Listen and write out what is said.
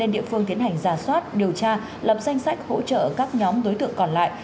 lập danh sách hỗ trợ các nhóm đối tượng còn lại